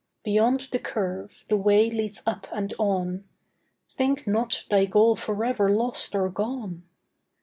Beyond the curve the way leads up and on. Think not thy goal forever lost or gone.